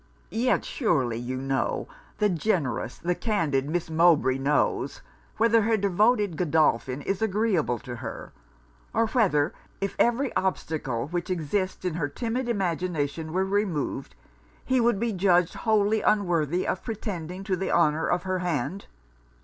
'Yet surely you know, the generous, the candid Miss Mowbray knows, whether her devoted Godolphin is agreeable to her, or whether, if every obstacle which exists in her timid imagination were removed, he would be judged wholly unworthy of pretending to the honour of her hand?'